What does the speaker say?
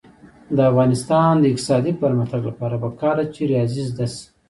د افغانستان د اقتصادي پرمختګ لپاره پکار ده چې ریاضي زده شي.